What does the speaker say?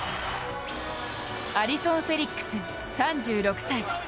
アリソン・フェリックス、３６歳。